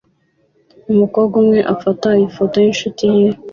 umukobwa umwe ufata ifoto yinshuti ye